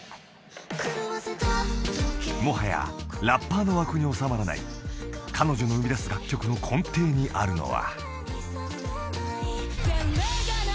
［もはやラッパーの枠に収まらない彼女の生み出す楽曲の根底にあるのは］